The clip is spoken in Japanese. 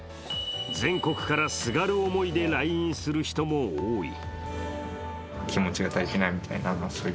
全国から、すがる思いで来院する人も多い。